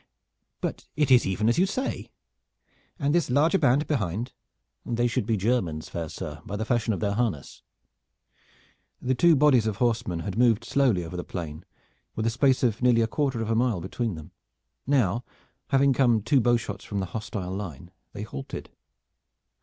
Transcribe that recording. But it is even as you say. And this larger band behind?" "They should be Germans, fair sir, by the fashion of their harness." The two bodies of horsemen had moved slowly over the plain, with a space of nearly a quarter of a mile between them. Now, having come two bowshots from the hostile line, they halted.